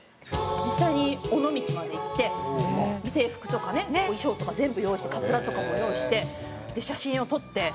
実際に尾道まで行って制服とかね衣装とか全部用意してカツラとかも用意して写真を撮って。